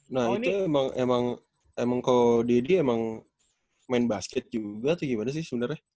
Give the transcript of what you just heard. nah itu emang ko deddy emang main basket juga atau gimana sih sebenarnya